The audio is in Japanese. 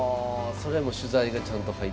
それはもう取材がちゃんと入って。